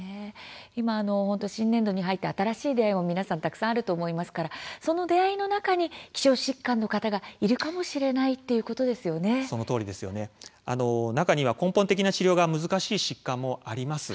今、新年度に入って新しい出会いも皆さんたくさんあると思いますからその出会いの中に希少疾患の方がいるかもしれないそのとおりですね中には根本的な治療が難しい疾患もあります。